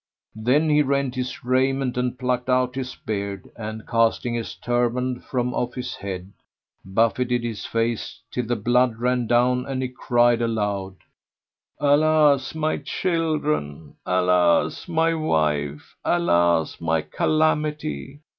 Then he rent his raiment and plucked out his beard and, casting his turband from off his head, buffeted his face till the blood ran down and he cried aloud, "Alas, my children! Alas, my wife! Alas, my calamity!